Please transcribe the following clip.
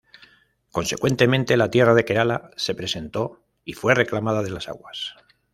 Consecuentemente, la tierra de Kerala se presentó y fue reclamada de las aguas.